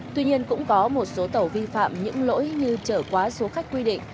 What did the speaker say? tuy nhiên cũng có một số tàu vi phạm những lỗi như chở quá số khách quy định